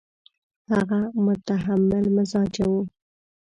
هغه متحمل مزاجه وو.